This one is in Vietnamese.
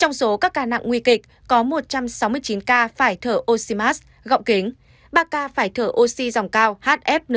trong số các ca nặng nguy kịch có một trăm sáu mươi chín ca phải thở oxymas gọng kính ba ca phải thở oxy dòng cao hfn